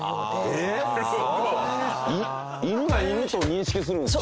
犬が犬と認識するんですか？